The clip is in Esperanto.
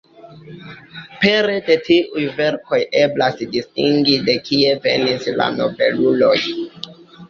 Pere de tiuj verkoj eblas distingi de kie venis la nobeluloj.